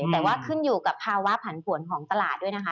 แต่ว่าขึ้นอยู่กับภาวะผันผวนของตลาดด้วยนะคะ